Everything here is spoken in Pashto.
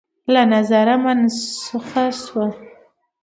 له نظره منسوخه شوه